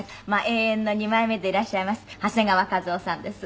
永遠の二枚目でいらっしゃいます長谷川一夫さんです。